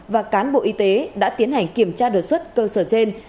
và cán bộ y tế đã tiến hành kiểm tra đột xuất cơ sở trên